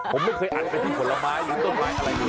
ผมไม่เคยอัดไปที่ผลไม้หรือต้นไม้อะไรเลย